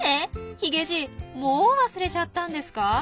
ヒゲじいもう忘れちゃったんですか？